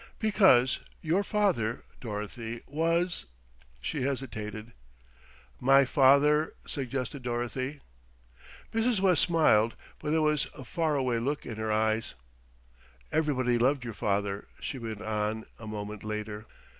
"Because your father, Dorothy, was " she hesitated. "My father," suggested Dorothy. Mrs. West smiled; but there was a far away look in her eyes. "Everybody loved your father," she went on a moment later.